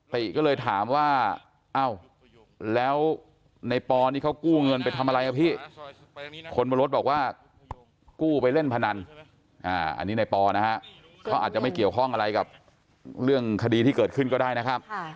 ติก็เลยถามว่าเอ้าแล้วในปอนี่เขากู้เงินไปทำอะไรอ่ะพี่คนบนรถบอกว่ากู้ไปเล่นพนันอันนี้ในปอนะฮะเขาอาจจะไม่เกี่ยวข้องอะไรกับเรื่องคดีที่เกิดขึ้นก็ได้นะครับ